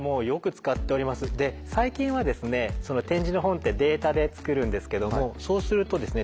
最近はですね点字の本ってデータで作るんですけどもそうするとですね